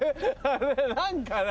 何かな